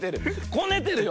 こねてるよ。